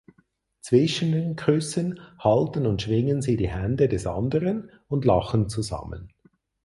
Zwischen den Küssen halten und schwingen sie die Hände des anderen und lachen zusammen.